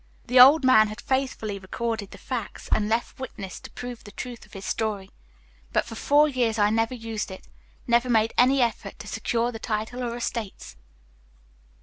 The old man had faithfully recorded the facts and left witnesses to prove the truth of his story; but for four years I never used it, never made any effort to secure the title or estates."